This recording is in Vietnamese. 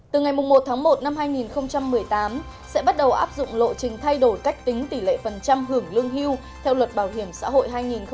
từ ngày một tháng một năm hai nghìn một mươi tám sẽ bắt đầu áp dụng lộ trình thay đổi cách tính tỷ lệ phần trăm hưởng lương hưu theo luật bảo hiểm xã hội hai nghìn một mươi chín